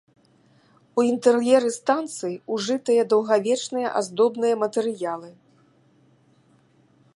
У інтэр'еры станцыі ужытыя даўгавечныя аздобныя матэрыялы.